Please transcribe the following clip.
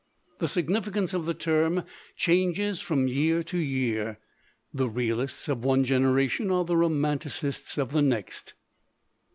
The significance of the term changes from year to year; the realists of one generation are the romanticists of the next.